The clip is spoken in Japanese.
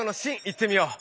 いってみよう！